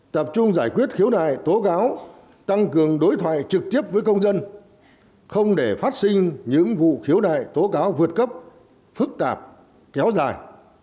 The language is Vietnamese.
tập trung giải quyết khiếu nại tố cáo tăng cường đối thoại trực tiếp với công dân không để phát sinh những vụ khiếu nại tố cáo vượt cấp phức tạp kéo dài